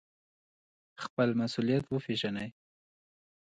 خپل مسوولیت وپیژنئ